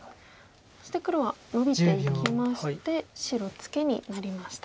そして黒はノビていきまして白ツケになりました。